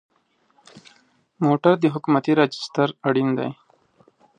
موټر د حکومتي راجسټر اړین دی.